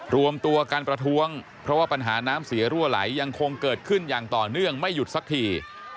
รวมตัวการประท้วงเพราะว่าปัญหาน้ำเสียรั่วไหลยังคงเกิดขึ้นอย่างต่อเนื่องไม่หยุดสักที